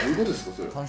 それ。